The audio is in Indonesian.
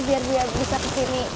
biar dia bisa kesini